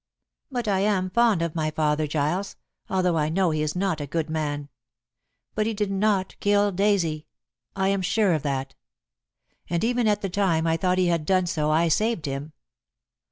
But I am fond of my father, Giles, although I know he is not a good man. But he did not kill Daisy; I am sure of that. And even at the time I thought he had done so I saved him.